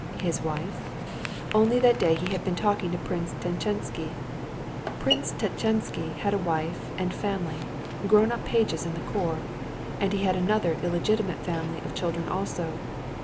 His wife?... Only that day he had been talking to Prince Tchetchensky. Prince Tchetchensky had a wife and family, grown up pages in the corps, ... and he had another illegitimate family of children also.